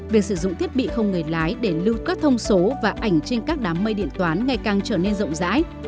việc sử dụng thiết bị không người lái để lưu các thông số và ảnh trên các đám mây điện toán ngày càng trở nên rộng rãi